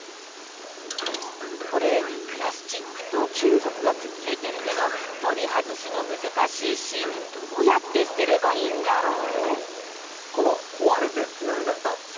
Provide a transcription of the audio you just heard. これプラスチックと金属がくっついてるけど取り外すの難しいし、どうやって捨てればいいんだろう？